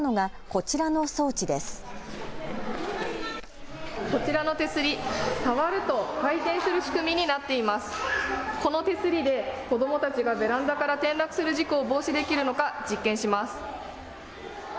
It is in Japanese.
この手すりで子どもたちがベランダから転落する事故を防止できるのか実験します。